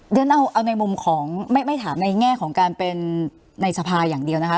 เดี๋ยวเอาในมุมของไม่ถามในแง่ของการเป็นในสภาอย่างเดียวนะคะ